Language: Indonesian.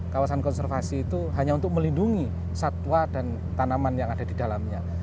kawasan konservasi itu hanya untuk melindungi satwa dan tanaman yang ada di dalamnya